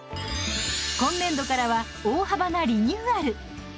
今年度からは大幅なリニューアル。